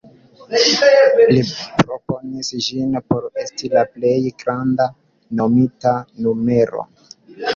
Li proponis ĝin por esti la plej granda nomita numero.